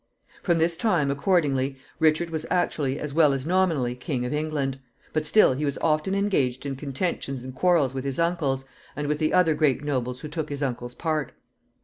From this time, accordingly, Richard was actually as well as nominally king of England; but still he was often engaged in contentions and quarrels with his uncles, and with the other great nobles who took his uncle's part.